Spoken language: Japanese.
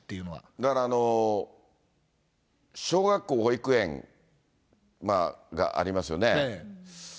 だから、小学校、保育園がありますよね。